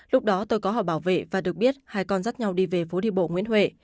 lúc đó tôi có họ bảo vệ và được biết hai con dắt nhau đi về phố đi bộ nguyễn huệ